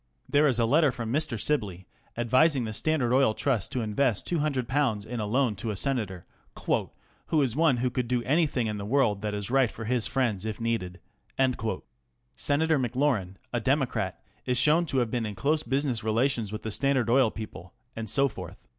There is a letter from Mr. Sibley advising the Standard Oil Trust to invest ┬Ż100 in a loan to a senator " who is one who would do anything in the 338 The Review of Reviews. world that is right for his friends if needed." Senator McLaurin, a Democrat, is shown to have been in close business relations with the Standard Oil people, and so forth.